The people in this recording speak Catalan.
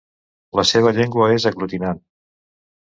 La seva llengua és aglutinant.